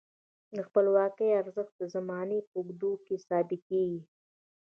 د خپلواکۍ ارزښت د زمانې په اوږدو کې ثابتیږي.